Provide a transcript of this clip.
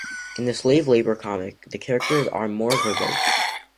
In the Slave Labor comic, the characters are more verbose.